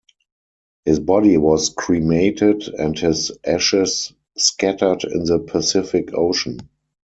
His body was cremated and his ashes scattered in the Pacific Ocean.